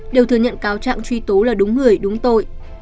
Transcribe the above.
đều thừa nhận cáo trạng truy tố là đúng người đúng tội